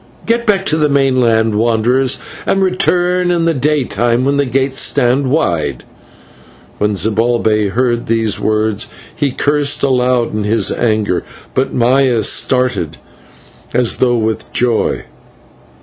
Get back to the mainland, wanderers, and return in the day time, when the gates stand wide." Now when Zibalbay heard these words, he cursed aloud in his anger, but Maya started as though with joy.